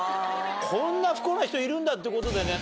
こんな不幸な人いるんだってことでね。